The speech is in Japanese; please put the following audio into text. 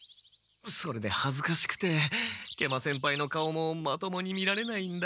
それではずかしくて食満先輩の顔もまともに見られないんだ。